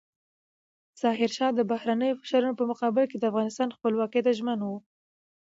ظاهرشاه د بهرنیو فشارونو په مقابل کې د افغانستان خپلواکۍ ته ژمن و.